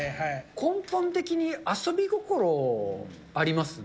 根本的に遊び心ありますね。